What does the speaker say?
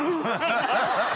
ハハハ！